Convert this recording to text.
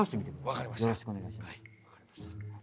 わかりました。